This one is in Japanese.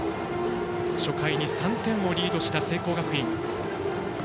初回に３点をリードした聖光学院。